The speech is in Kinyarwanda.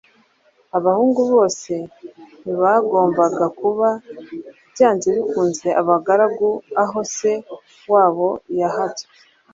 Abahungu bose ntibagombaga kuba byanze bikunze abagaragu aho se wabo yahatswe.